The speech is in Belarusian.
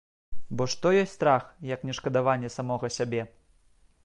Бо што ёсць страх, як не шкадаванне самога сябе?